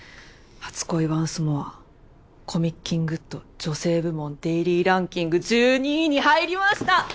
『初恋ワンスモア』コミッキングッド女性部門デイリーランキング１２位に入りました！